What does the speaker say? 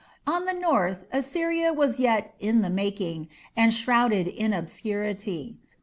On the north Assyria was yet "in the making", and shrouded in obscurity.